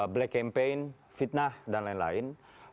black campaign fitnah dan lain lain